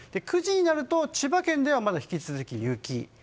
９時になる千葉県ではまだ引き続き雪。